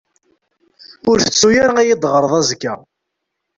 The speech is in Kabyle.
Ur tettu ara ad yi-d-taɣreḍ azekka.